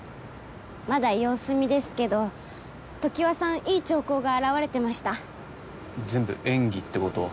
まだ様子見ですけど常盤さんいい兆候が現れてました全部演技ってことは？